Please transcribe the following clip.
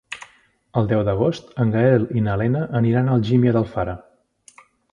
El deu d'agost en Gaël i na Lena aniran a Algímia d'Alfara.